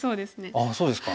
あっそうですか。